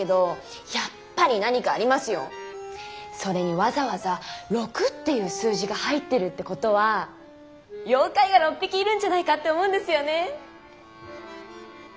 それにわざわざ「六」っていう数字が入ってるってことは妖怪が「６匹」いるんじゃないかって思うんですよね。